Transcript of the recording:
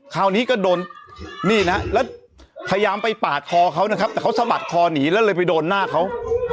คราวนี้ก็โดนนี่นะแล้วพยายามไปปาดคอเขานะครับแต่เขาสะบัดคอหนีแล้วเลยไปโดนหน้าเขา